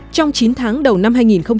trong chín tháng đầu năm hai nghìn một mươi tám